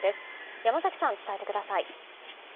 山崎さん、伝えてください。